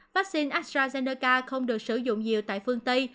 vaccine astrazeneca không được sử dụng nhiều tại phương tây